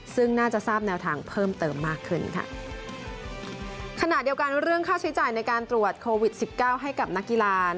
ซึ่งน่าจะทราบแนวทางเพิ่มเติมมากขึ้นค่ะขณะเดียวกันเรื่องค่าใช้จ่ายในการตรวจโควิดสิบเก้าให้กับนักกีฬา